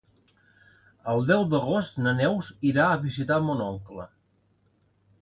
El deu d'agost na Neus irà a visitar mon oncle.